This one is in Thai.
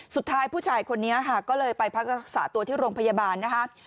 สุดท้ายผู้ชายคนนี้ค่ะก็เลยไปพักรักษาตัวที่โรงพยาบาลนะคะ